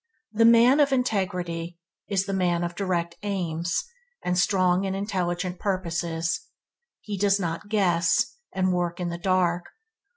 The man of integrity is the man of direct aims and strong and intelligent purposes. He does not guess, and work in the dark.